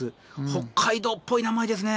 北海道っぽい名前ですね。